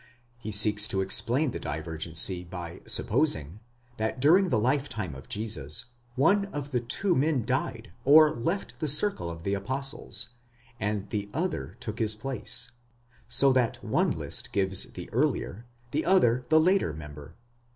He seeks to explain the diver gency, by supposing, that during the lifetime of Jesus, one of the two men died or left the circle of the apostles, and the other took his place ; so that one list gives the earlier, the other the later member.>